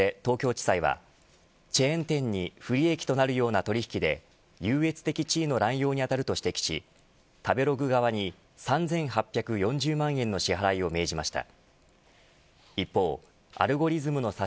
今日の判決で東京地裁はチェーン店に不利益となるような取引で優越的地位の乱用に当たると指摘し食べログ側に３８４０万円の支払いを命じました。